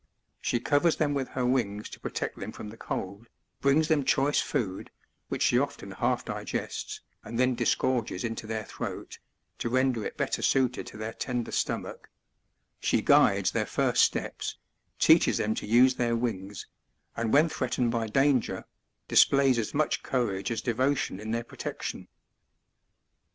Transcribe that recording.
She covers them with her wings to protect them from the cold, brings them choice food, which she often half digests, and then disgorges into their throat, to render it better suited to their tender stomach ; she guides their first steps, teaches them to use their wings, and when threatened by danger, displays as much courage as devotion in their protection.